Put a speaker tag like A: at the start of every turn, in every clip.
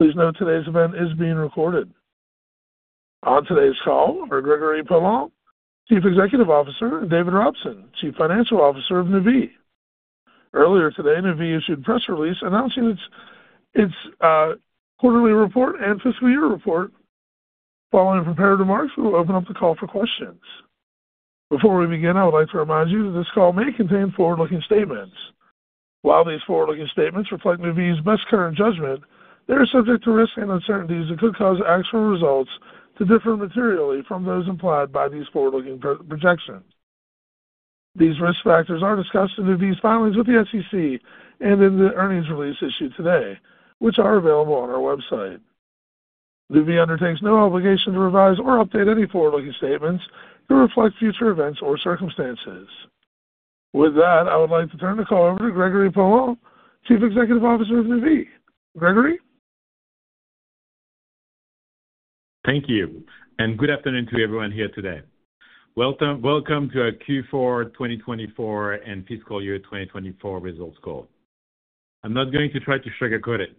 A: Please note today's event is being recorded. On today's call are Gregory Poilasne, Chief Executive Officer, and David Robson, Chief Financial Officer of Nuvve. Earlier today, Nuvve issued a press release announcing its quarterly report and fiscal year report. Following prepared remarks, we will open up the call for questions. Before we begin, I would like to remind you that this call may contain forward-looking statements. While these forward-looking statements reflect Nuvve's best current judgment, they are subject to risks and uncertainties that could cause actual results to differ materially from those implied by these forward-looking projections. These risk factors are discussed in Nuvve's filings with the SEC and in the earnings release issued today, which are available on our website. Nuvve undertakes no obligation to revise or update any forward-looking statements to reflect future events or circumstances. With that, I would like to turn the call over to Gregory Poilasne, Chief Executive Officer of Nuvve. Gregory?
B: Thank you, and good afternoon to everyone here today. Welcome to our Q4 2024 and fiscal year 2024 results call. I'm not going to try to sugarcoat it.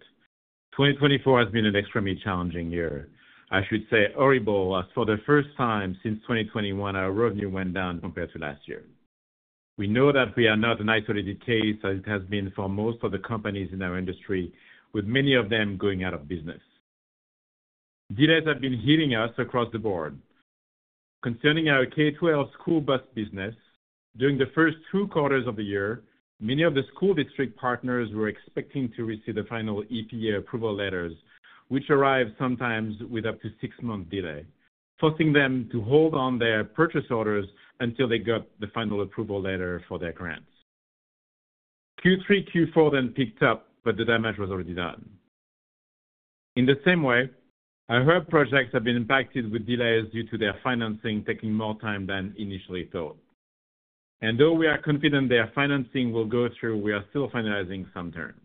B: 2024 has been an extremely challenging year. I should say horrible as, for the first time since 2021, our revenue went down compared to last year. We know that we are not an isolated case, as it has been for most of the companies in our industry, with many of them going out of business. Delays have been hitting us across the board. Concerning our K-12 school bus business, during the first two quarters of the year, many of the school district partners were expecting to receive the final EPA approval letters, which arrived sometimes with up to six months' delay, forcing them to hold on their purchase orders until they got the final approval letter for their grants. Q3, Q4 then picked up, but the damage was already done. In the same way, our hub projects have been impacted with delays due to their financing taking more time than initially thought. Though we are confident their financing will go through, we are still finalizing some terms.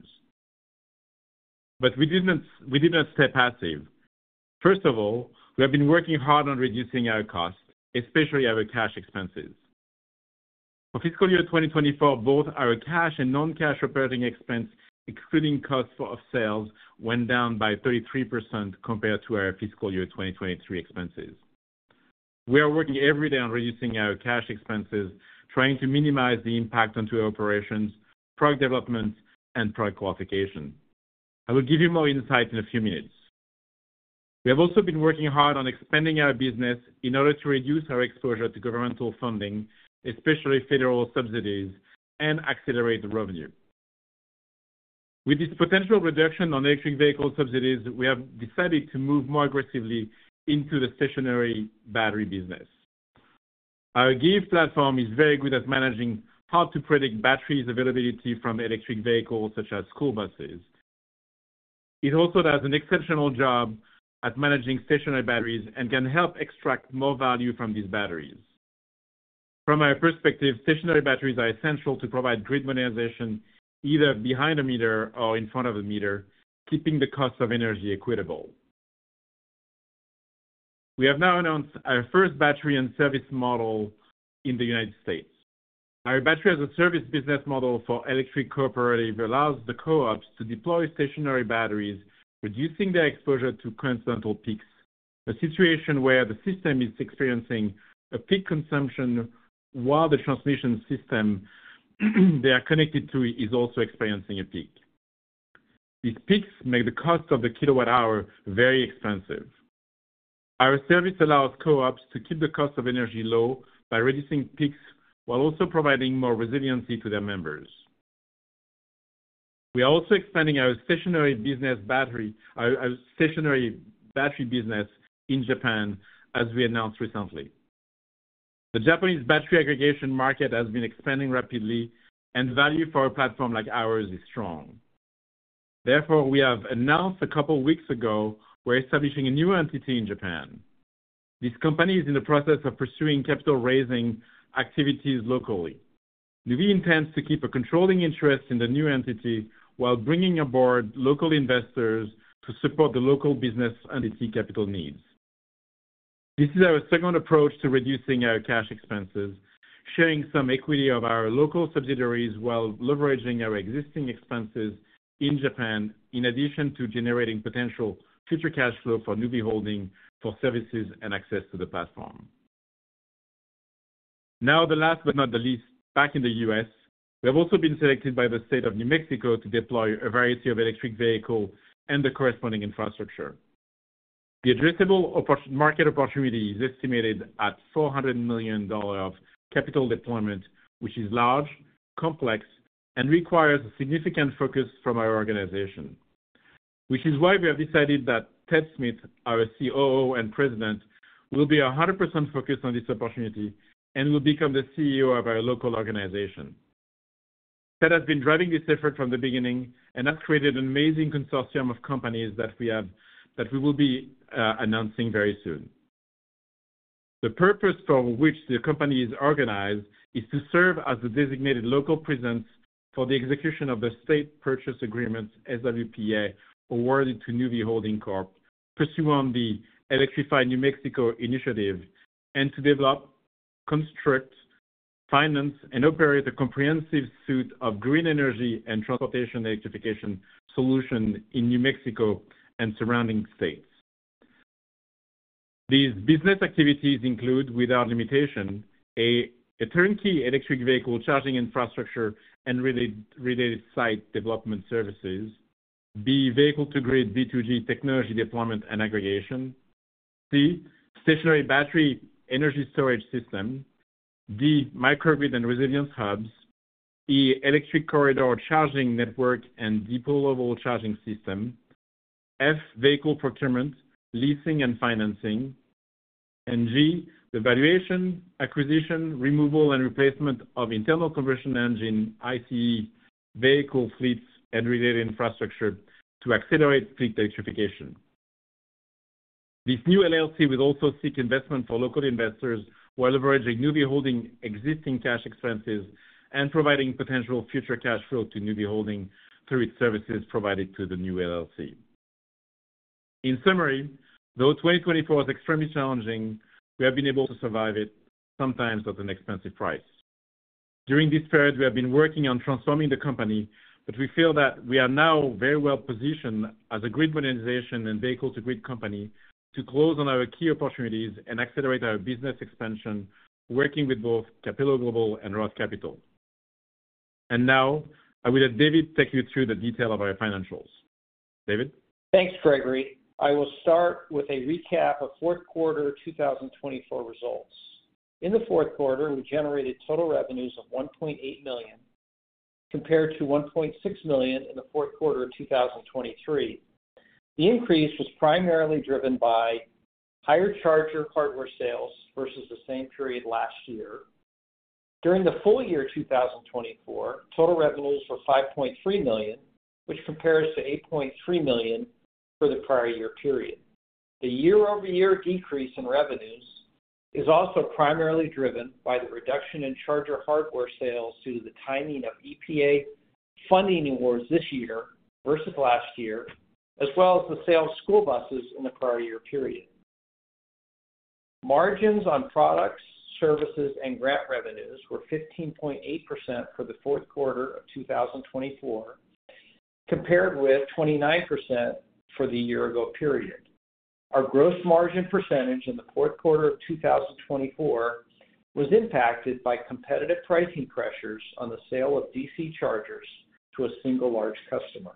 B: We did not stay passive. First of all, we have been working hard on reducing our costs, especially our cash expenses. For fiscal year 2024, both our cash and non-cash operating expense, excluding costs of sales, went down by 33% compared to our fiscal year 2023 expenses. We are working every day on reducing our cash expenses, trying to minimize the impact onto our operations, product development, and product qualification. I will give you more insight in a few minutes. We have also been working hard on expanding our business in order to reduce our exposure to governmental funding, especially federal subsidies, and accelerate the revenue. With this potential reduction on electric vehicle subsidies, we have decided to move more aggressively into the stationary battery business. Our GIVe platform is very good at managing how to predict batteries' availability from electric vehicles such as school buses. It also does an exceptional job at managing stationary batteries and can help extract more value from these batteries. From our perspective, stationary batteries are essential to provide grid modernization, either behind a meter or in front of a meter, keeping the cost of energy equitable. We have now announced our first battery-as-a-service model in the United States. Our battery-as-a-service business model for electric cooperatives allows the co-ops to deploy stationary batteries, reducing their exposure to coincidental peaks, a situation where the system is experiencing a peak consumption while the transmission system they are connected to is also experiencing a peak. These peaks make the cost of the kilowatt-hour very expensive. Our service allows co-ops to keep the cost of energy low by reducing peaks while also providing more resiliency to their members. We are also expanding our stationary battery business in Japan, as we announced recently. The Japanese battery aggregation market has been expanding rapidly, and value for a platform like ours is strong. Therefore, we have announced a couple of weeks ago we're establishing a new entity in Japan. This company is in the process of pursuing capital-raising activities locally. Nuvve intends to keep a controlling interest in the new entity while bringing on board local investors to support the local business entity capital needs. This is our second approach to reducing our cash expenses, sharing some equity of our local subsidiaries while leveraging our existing expenses in Japan, in addition to generating potential future cash flow for Nuvve Holding for services and access to the platform. Now, last but not least, back in the U.S., we have also been selected by the state of New Mexico to deploy a variety of electric vehicles and the corresponding infrastructure. The addressable market opportunity is estimated at $400 million of capital deployment, which is large, complex, and requires significant focus from our organization. Which is why we have decided that Ted Smith, our COO and President, will be 100% focused on this opportunity and will become the CEO of our local organization. Ted has been driving this effort from the beginning and has created an amazing consortium of companies that we will be announcing very soon. The purpose for which the company is organized is to serve as the designated local presence for the execution of the State Purchase Agreement SWPA awarded to Nuvve Holding Corp, pursuant to the Electrify New Mexico initiative, and to develop, construct, finance, and operate a comprehensive suite of green energy and transportation electrification solutions in New Mexico and surrounding states. These business activities include, without limitation, A, a turnkey electric vehicle charging infrastructure and related site development services, B, vehicle-to-grid V2G technology deployment and aggregation, C, stationary battery energy storage system, D, microgrid and resilience hubs, E, electric corridor charging network and deployable charging system, F, vehicle procurement, leasing, and financing, and G, the valuation, acquisition, removal, and replacement of internal combustion engine (ICE) vehicle fleets and related infrastructure to accelerate fleet electrification. This new LLC will also seek investment for local investors while leveraging Nuvve Holding's existing cash expenses and providing potential future cash flow to Nuvve Holding through its services provided to the new LLC. In summary, though 2024 was extremely challenging, we have been able to survive it, sometimes at an expensive price. During this period, we have been working on transforming the company, but we feel that we are now very well positioned as a grid modernization and vehicle-to-grid company to close on our key opportunities and accelerate our business expansion, working with both Cappello Global and Roth Capital. Now, I will let David take you through the detail of our financials. David?
C: Thanks, Gregory. I will start with a recap of fourth quarter 2024 results. In the fourth quarter, we generated total revenues of $1.8 million compared to $1.6 million in the fourth quarter of 2023. The increase was primarily driven by higher charger hardware sales versus the same period last year. During the full year 2024, total revenues were $5.3 million, which compares to $8.3 million for the prior year period. The year-over-year decrease in revenues is also primarily driven by the reduction in charger hardware sales due to the timing of EPA funding awards this year versus last year, as well as the sale of school buses in the prior year period. Margins on products, services, and grant revenues were 15.8% for the fourth quarter of 2024, compared with 29% for the year-ago period. Our gross margin percentage in the fourth quarter of 2024 was impacted by competitive pricing pressures on the sale of DC chargers to a single large customer.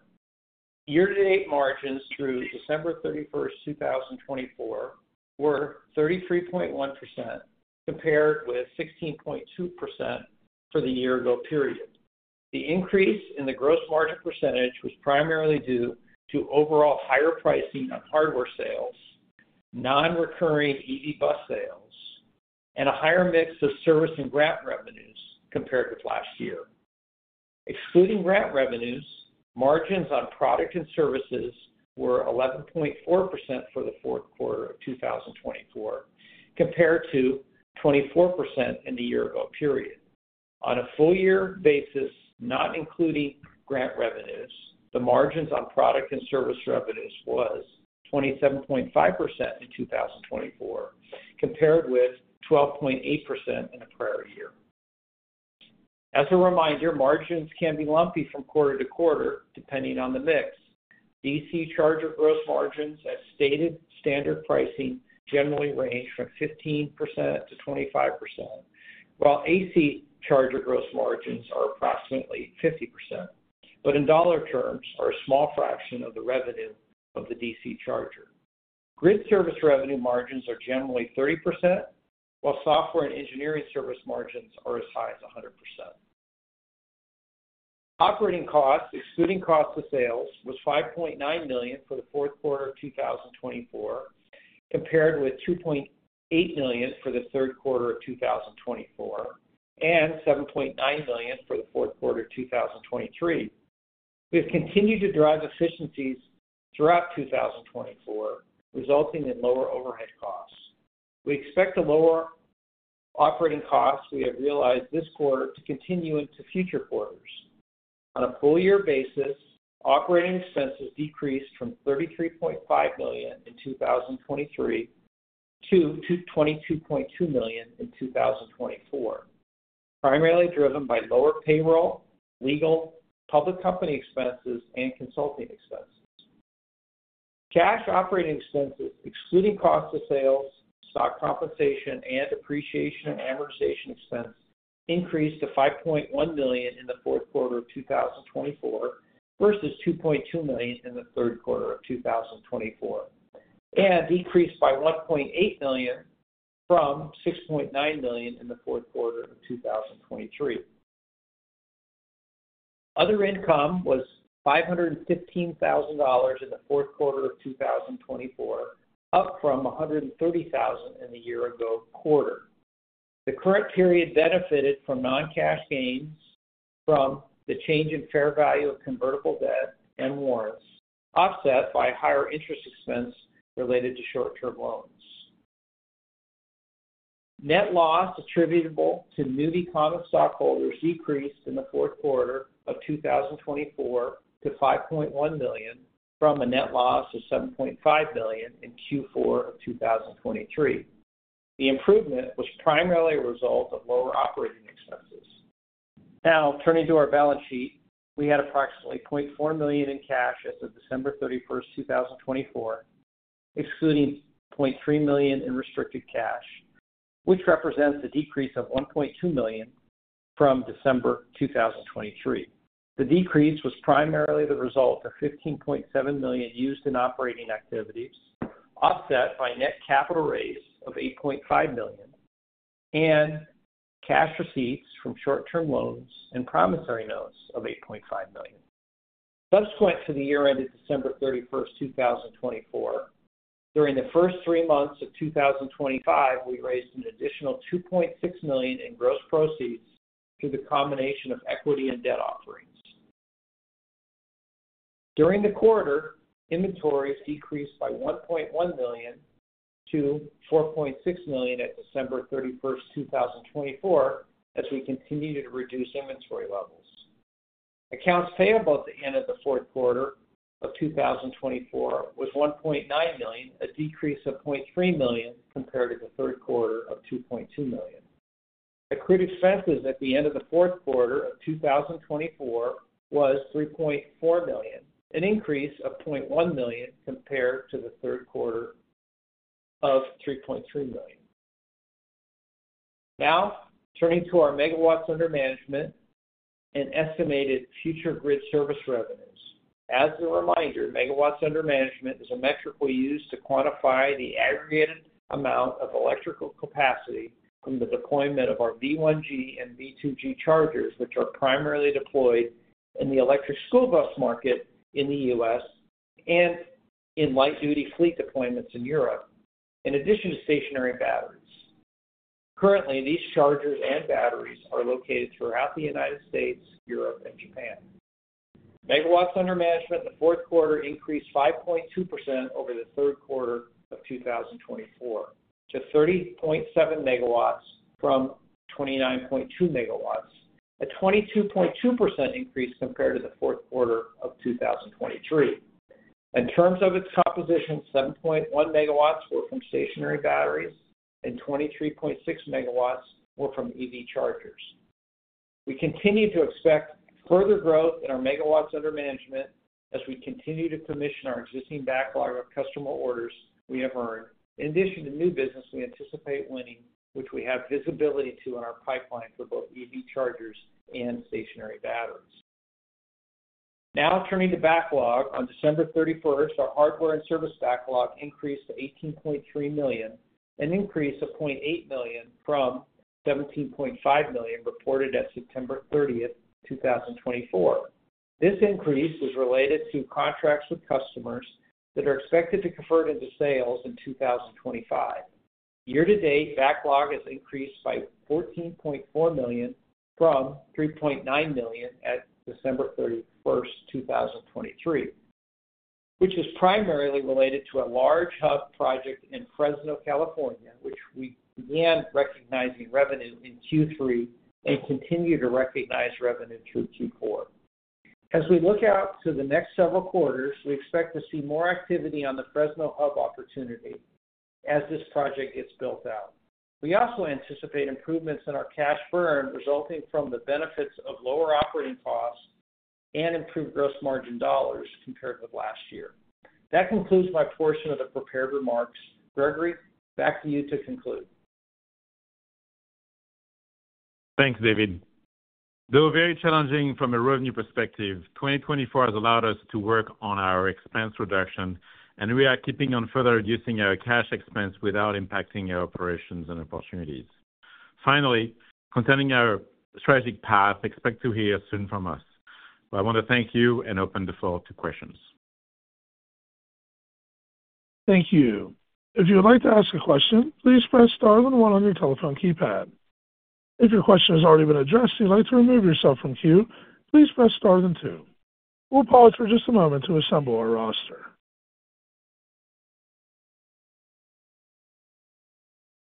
C: Year-to-date margins through December 31, 2024, were 33.1%, compared with 16.2% for the year-ago period. The increase in the gross margin percentage was primarily due to overall higher pricing on hardware sales, non-recurring EV bus sales, and a higher mix of service and grant revenues compared with last year. Excluding grant revenues, margins on product and services were 11.4% for the fourth quarter of 2024, compared to 24% in the year-ago period. On a full-year basis, not including grant revenues, the margins on product and service revenues were 27.5% in 2024, compared with 12.8% in the prior year. As a reminder, margins can be lumpy from quarter to quarter depending on the mix. DC charger gross margins at stated standard pricing generally range from 15% to 25%, while AC charger gross margins are approximately 50%, but in dollar terms, are a small fraction of the revenue of the DC charger. Grid service revenue margins are generally 30%, while software and engineering service margins are as high as 100%. Operating costs, excluding costs of sales, were $5.9 million for the fourth quarter of 2024, compared with $2.8 million for the third quarter of 2024 and $7.9 million for the fourth quarter of 2023. We have continued to drive efficiencies throughout 2024, resulting in lower overhead costs. We expect the lower operating costs we have realized this quarter to continue into future quarters. On a full-year basis, operating expenses decreased from $33.5 million in 2023 to $22.2 million in 2024, primarily driven by lower payroll, legal, public company expenses, and consulting expenses. Cash operating expenses, excluding costs of sales, stock compensation, and depreciation and amortization expenses, increased to $5.1 million in the fourth quarter of 2024 versus $2.2 million in the third quarter of 2024, and decreased by $1.8 million from $6.9 million in the fourth quarter of 2023. Other income was $515,000 in the fourth quarter of 2024, up from $130,000 in the year-ago quarter. The current period benefited from non-cash gains from the change in fair value of convertible debt and warrants, offset by higher interest expense related to short-term loans. Net loss attributable to Nuvve common stockholders decreased in the fourth quarter of 2024 to $5.1 million from a net loss of $7.5 million in Q4 of 2023. The improvement was primarily a result of lower operating expenses. Now, turning to our balance sheet, we had approximately $0.4 million in cash as of December 31, 2024, excluding $0.3 million in restricted cash, which represents a decrease of $1.2 million from December 2023. The decrease was primarily the result of $15.7 million used in operating activities, offset by net capital raise of $8.5 million, and cash receipts from short-term loans and promissory notes of $8.5 million. Subsequent to the year-end of December 31, 2024, during the first three months of 2025, we raised an additional $2.6 million in gross proceeds through the combination of equity and debt offerings. During the quarter, inventories decreased by $1.1 million to $4.6 million at December 31, 2024, as we continued to reduce inventory levels. Accounts payable at the end of the fourth quarter of 2024 was $1.9 million, a decrease of $0.3 million compared to the third quarter of $2.2 million. Accrued expenses at the end of the fourth quarter of 2024 were $3.4 million, an increase of $0.1 million compared to the third quarter of $3.3 million. Now, turning to our megawatts under management and estimated future grid service revenues. As a reminder, megawatts under management is a metric we use to quantify the aggregated amount of electrical capacity from the deployment of our V1G and V2G chargers, which are primarily deployed in the electric school bus market in the US and in light-duty fleet deployments in Europe, in addition to stationary batteries. Currently, these chargers and batteries are located throughout the United States, Europe, and Japan. Megawatts under management in the fourth quarter increased 5.2% over the third quarter of 2024 to 30.7 megawatts from 29.2 megawatts, a 22.2% increase compared to the fourth quarter of 2023. In terms of its composition, 7.1 megawatts were from stationary batteries, and 23.6 megawatts were from EV chargers. We continue to expect further growth in our megawatts under management as we continue to commission our existing backlog of customer orders we have earned. In addition to new business, we anticipate winning, which we have visibility to in our pipeline for both EV chargers and stationary batteries. Now, turning to backlog, on December 31, our hardware and service backlog increased to $18.3 million, an increase of $0.8 million from $17.5 million reported as September 30, 2024. This increase was related to contracts with customers that are expected to convert into sales in 2025. Year-to-date, backlog has increased by $14.4 million from $3.9 million at December 31, 2023, which is primarily related to a large hub project in Fresno, California, which we began recognizing revenue in Q3 and continue to recognize revenue through Q4. As we look out to the next several quarters, we expect to see more activity on the Fresno hub opportunity as this project gets built out. We also anticipate improvements in our cash burn resulting from the benefits of lower operating costs and improved gross margin dollars compared with last year. That concludes my portion of the prepared remarks. Gregory, back to you to conclude.
B: Thanks, David. Though very challenging from a revenue perspective, 2024 has allowed us to work on our expense reduction, and we are keeping on further reducing our cash expense without impacting our operations and opportunities. Finally, concerning our strategic path, expect to hear soon from us. I want to thank you and open the floor to questions.
A: Thank you. If you would like to ask a question, please press star one one on your telephone keypad. If your question has already been addressed and you'd like to remove yourself from queue, please press star then two. We'll pause for just a moment to assemble our roster.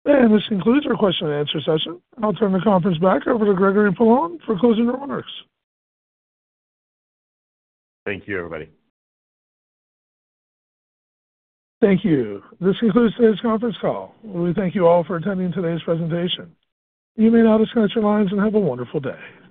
A: This concludes our question-and-answer session. I'll turn the conference back over to Gregory Poilasne for closing remarks.
B: Thank you, everybody.
A: Thank you. This concludes today's conference call. We thank you all for attending today's presentation. You may now disconnect your lines and have a wonderful day.